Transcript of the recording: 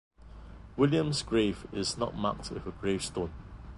William's grave is not marked with a gravestone.